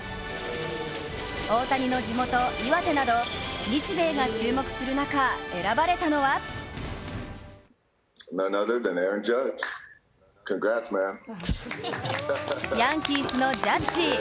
大谷の地元・岩手など日米が注目する中、選ばれたのはヤンキースのジャッジ。